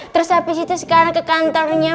terus habis itu sekarang ke kantornya